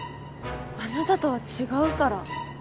あなたとは違うから。